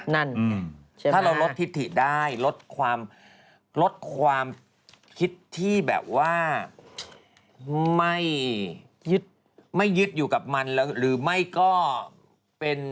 นั่นถ้าเราลดทิศถิได้ลดความลดความคิดที่แบบว่าไม่ยึดอยู่กับมันหรือไม่ก็เป็น